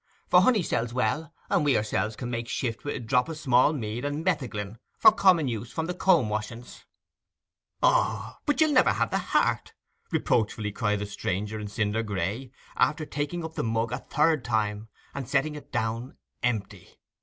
For honey sells well, and we ourselves can make shift with a drop o' small mead and metheglin for common use from the comb washings.' 'O, but you'll never have the heart!' reproachfully cried the stranger in cinder gray, after taking up the mug a third time and setting it down empty.